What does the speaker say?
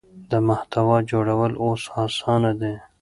د محتوا جوړول اوس اسانه دي.